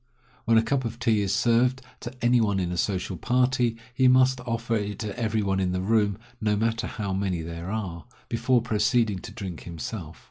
When a cup of tea is served to any one in a social party, he must offer it to every one in the room, no matter how many there are, 183 before proceeding to drink himself.